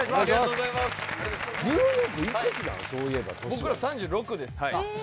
僕ら３６です。